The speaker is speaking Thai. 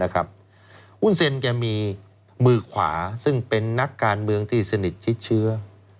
หุ้นเซ็นแกมีมือขวาซึ่งเป็นนักการเมืองที่สนิทชิดเชื้อ